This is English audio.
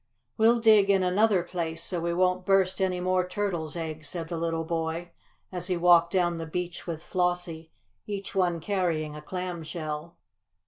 "We'll dig in another place, so we won't burst any more turtle's eggs," said the little boy, as he walked down the beach with Flossie, each one carrying a clam shell.